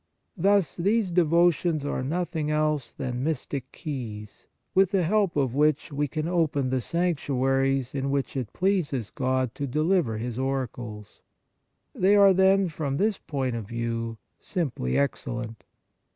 Thus these devotions are nothing else than mystic keys, with the help of which we can open the sanctuaries in which it pleases God to deliver His oracles. They are, then, from this point of view, simply excellent.